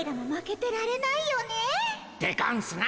でゴンスな。